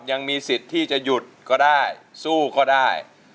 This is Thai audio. ยังมีสิทธิ์ที่จะหยุดก็ได้สู้ก็ได้